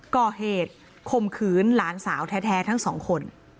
ก่อเหตุข่มขืนหลานสาวแท้ทั้งสองคน